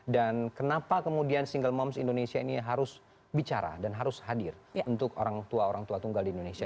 dan kenapa kemudian single moms indonesia ini harus bicara dan harus hadir untuk orang tua orang tua tunggal di indonesia